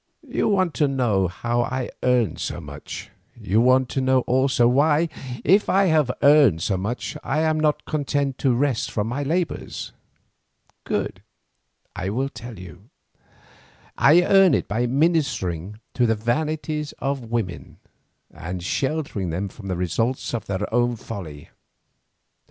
You want to know how I earn so much; you want to know also, why, if I have earned so much, I am not content to rest from my labours. Good, I will tell you. I earn it by ministering to the vanities of women and sheltering them from the results of their own folly.